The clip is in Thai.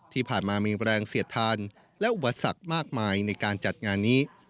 ที่ผ่านมามีแรงเสียดทานและอุปสรรคมากมายในการจัดงานนี้